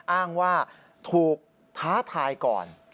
อ้างว่าถูกท้าทายก่อน